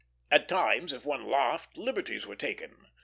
At times, if one laughed, liberties were taken.